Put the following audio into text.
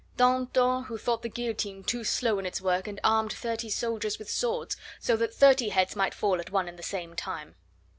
Danton, who thought the guillotine too slow in its work, and armed thirty soldiers with swords, so that thirty heads might fall at one and the same time.